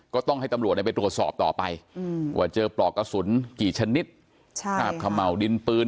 ก็ต้องให้ตำรวจเนี่ยไปตรวจสอบต่อไปอืม